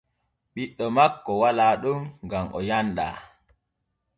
Ɓiɗɗo makko walaa ɗon gam o yanɗaa.